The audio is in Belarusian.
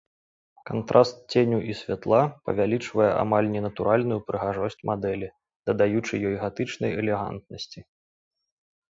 Кантраст ценю і святла павялічвае амаль ненатуральную прыгажосць мадэлі, дадаючы ёй гатычнай элегантнасці.